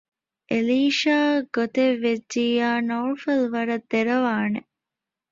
އެލީޝާއަށް ގޮތެއް ވެއްޖިއްޔާ ނައުފަލު ވަރަށް ދެރަވާނެ